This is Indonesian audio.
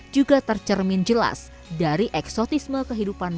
juga tercermin jelas dari eksotisme kehidupan masyarakat